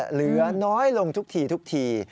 เหลือน้อยลงทุกทีทุกที